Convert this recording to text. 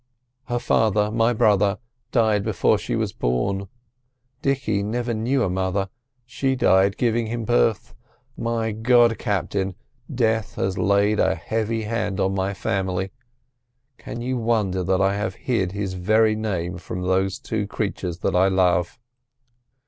Her father—my brother—died before she was born. Dicky never knew a mother; she died giving him birth. My God, Captain, death has laid a heavy hand on my family; can you wonder that I have hid his very name from those two creatures that I love!"